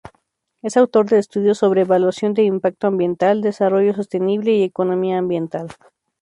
Es autor de estudios sobre Evaluación del Impacto Ambiental, Desarrollo Sostenible y Economía Ambiental.